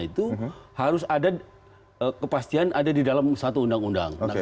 itu harus ada kepastian ada di dalam satu undang undang